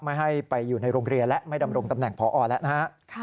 ไม่ให้ไปอยู่ในโรงเรียนและไม่ดำรงตำแหน่งพอแล้วนะฮะ